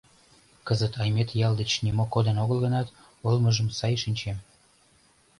— Кызыт Аймет ял деч нимо кодын огыл гынат, олмыжым сай шинчем.